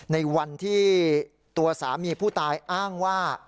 ในวันที่ตัวสามีผู้ตายอ้างว่า